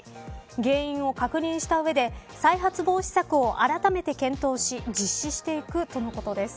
原因を確認した上で再発防止策をあらためて検討し実施していくとのことです。